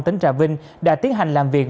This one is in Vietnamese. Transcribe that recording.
tỉnh trà vinh đã tiến hành làm việc